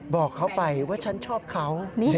บอกเขาไปว่าฉันชอบเขา